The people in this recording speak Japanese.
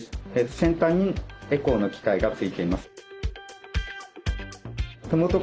先端にエコーの機械が付いています。